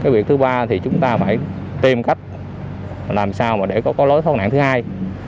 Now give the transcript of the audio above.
việc thứ ba thì chúng ta phải tìm cách làm sao mà để có lối thoát nạn thứ hai